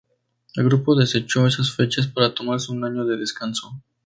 El grupo desechó esas fechas para tomarse un año de descanso.